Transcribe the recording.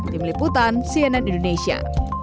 tim liputan cnn indonesia